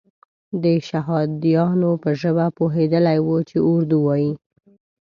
د شهادیانو په ژبه پوهېدلی وو چې اردو وایي.